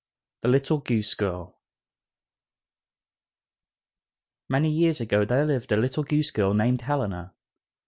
The Little Goose Girl Many years ago there lived a little goose girl named Helena.